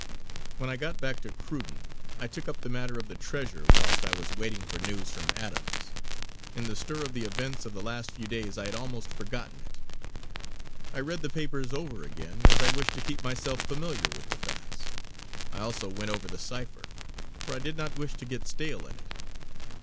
When I got back to Cruden I took up the matter of the treasure whilst I was waiting for news from Adams. In the stir of the events of the last few days I had almost forgotten it. I read the papers over again, as I wished to keep myself familiar with the facts; I also went over the cipher, for I did not wish to get stale in it.